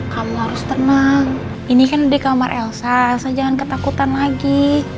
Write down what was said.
kamu harus tenang ini kan di kamar elsa jangan ketakutan lagi